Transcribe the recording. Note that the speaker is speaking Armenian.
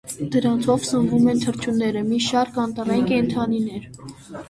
Դրանցով սնվում են թռչունները, մի շարք անտառային կենդանիներ։